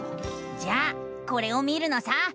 じゃあこれを見るのさ！